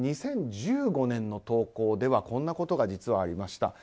２０１５年の投稿ではこんなことが実はありました。